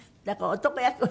だから男役。